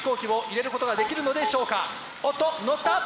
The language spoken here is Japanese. おっとのった！